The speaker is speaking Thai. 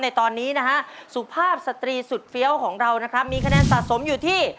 ในตอนนี้นะฮะสุภาพสตรีสุดเฟี้ยวของเรานะครับมีคะแนนสะสมอยู่ที่